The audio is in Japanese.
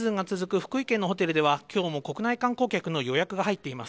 福井県のホテルでは、きょうも国内観光客の予約が入っています。